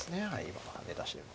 今のハネ出しも。